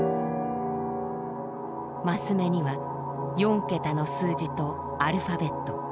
升目には４桁の数字とアルファベット。